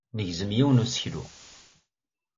Negzem yiwen n useklu.